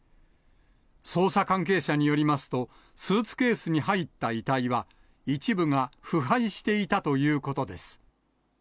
捜査関係者によりますと、スーツケースに入った遺体は、一部が腐敗していたということです。